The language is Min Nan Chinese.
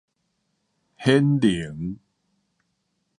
顯靈